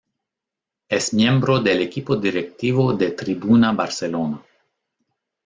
Es miembro del equipo directivo de Tribuna Barcelona.